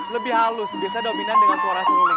lebih halus biasanya dominan dengan suara singoling